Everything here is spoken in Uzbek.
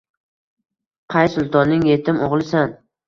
Qay sultonning yetim oʼgʼlisan?